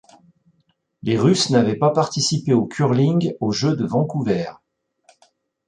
Les Russes n'avaient pas participé au curling aux Jeux de Vancouver.